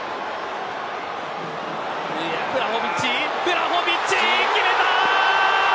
ヴラホヴィッチ、決めた。